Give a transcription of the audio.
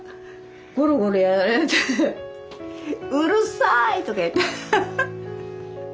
ゴロゴロやられて「うるさい！」とか言って。